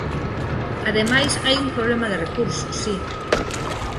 Ademais, hai un problema de recursos, si.